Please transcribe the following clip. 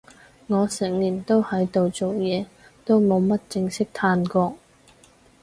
我成年都喺度做嘢，都冇乜正式嘆過